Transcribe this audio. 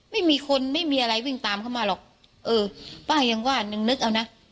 ไม่มีคนไม่มีอะไรวิ่งตามเข้ามาหรอกเออป้ายังว่าหนึ่งนึกเอานะ